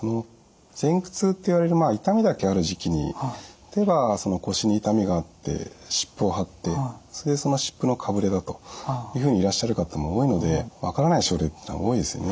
前駆痛っていわれる痛みだけある時期に例えば腰に痛みがあって湿布を貼ってそれでその湿布のかぶれだというふうにいらっしゃる方も多いので分からない症例っていうのは多いですよね